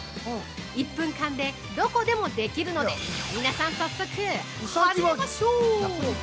１分間でどこでもできるので皆さん、早速、始めましょう。